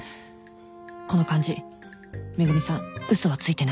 この感じ恵美さん嘘はついてない